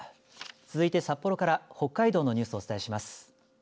続いて札幌から北海道のニュースをお伝えします。